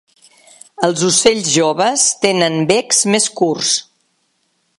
Els ocells joves tenen becs més curts.